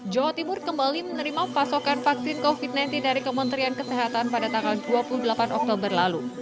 jawa timur kembali menerima pasokan vaksin covid sembilan belas dari kementerian kesehatan pada tanggal dua puluh delapan oktober lalu